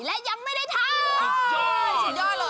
และยังไม่ได้ท้าย